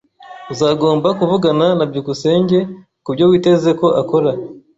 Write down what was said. Uzagomba kuvugana na byukusenge kubyo witeze ko akora.